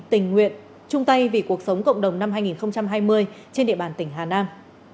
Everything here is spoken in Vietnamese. tình nguyện chung tay vì cuộc sống cộng đồng năm hai nghìn hai mươi trên địa bàn tỉnh hà nam